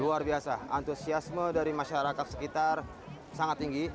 luar biasa antusiasme dari masyarakat sekitar sangat tinggi